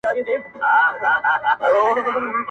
له پلرونو له نيكونو موږك خان يم،